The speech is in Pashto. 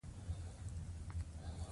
يو پخوانی والي چې اوس موقوف دی.